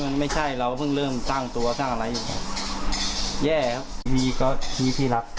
มันไม่ใช่เราเพิ่งเริ่มสร้างตัวสร้างอะไรอยู่แย่ครับทีมีก็ที่พี่รัก